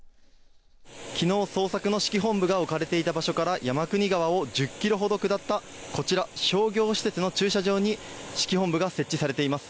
きのう捜索の指揮本部が置かれていた場所から山国川を１０キロほど下ったこちら商業施設の駐車場に指揮本部が設置されています。